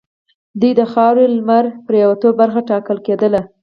د دې خاورې لمرپرېواته برخه ټاکله کېدله.